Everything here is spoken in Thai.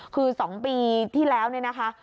คือ๒ปีที่แล้วเนี่ยนะคะ